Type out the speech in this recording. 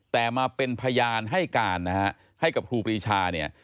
แต่มาเป็นพยานให้การนะฮะให้กับครูปรีชาเนี่ย